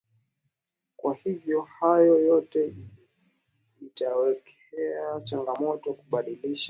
kwa hivyo hayo yote itawekea changamoto kubadilisha